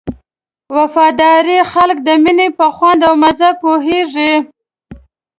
وفاداره خلک د مینې په خوند او مزه پوهېږي.